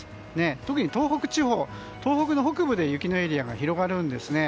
特に東北地方東北の北部で雪のエリアが広がるんですね。